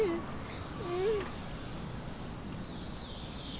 うん。